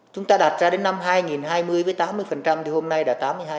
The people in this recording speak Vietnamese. chúng ta đặt ra đến năm hai nghìn hai mươi với tám mươi thì hôm nay là tám mươi hai